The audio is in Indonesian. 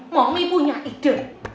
momi punya ide